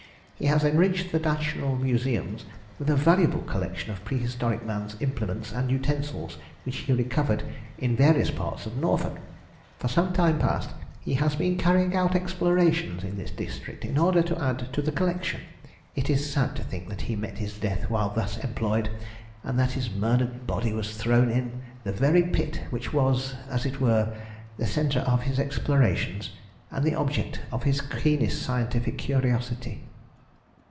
"He has enriched the national museums with a valuable collection of prehistoric man's implements and utensils, which he recovered in various parts of Norfolk. For some time past he had been carrying out explorations in this district in order to add to the collection. It is sad to think that he met his death while thus employed, and that his murdered body was thrown in the very pit which was, as it were, the centre of his explorations and the object of his keenest scientific curiosity."